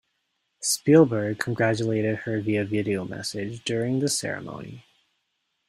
Spielberg congratulated her via video message during the ceremony.